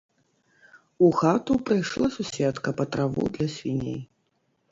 У хату прыйшла суседка па траву для свіней.